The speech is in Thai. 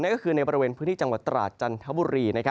ก็คือในบริเวณพื้นที่จังหวัดตราดจันทบุรี